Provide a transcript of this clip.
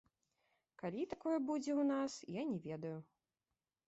Калі такое будзе ў нас, я не ведаю.